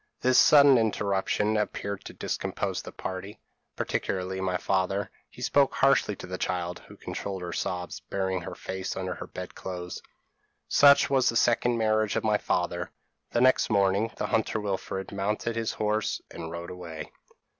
This sudden interruption appeared to discompose the party, particularly my father; he spoke harshly to the child, who controlled her sobs, burying her face under the bed clothes. "Such was the second marriage of my father. The next morning, the hunter Wilfred mounted his horse, and rode away.